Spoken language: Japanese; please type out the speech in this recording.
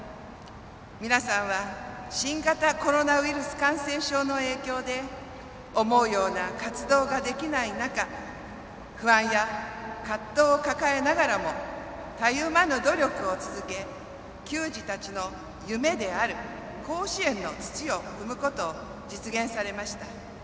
皆さんは新型コロナウイルス感染症の影響で思うような活動ができない中不安や葛藤を抱えながらもたゆまぬ努力を続け球児たちの夢である甲子園の土を踏むことを実現されました。